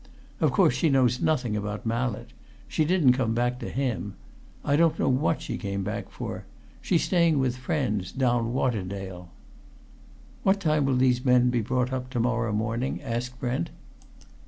Of course she knows nothing about Mallett. She didn't come back to him. I don't know what she came back for. She's staying with friends, down Waterdale." "What time will these men be brought up to morrow morning?" asked Brent.